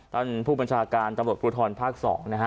ท่านผู้ปัญชาการตทพภาค๒นะฮะ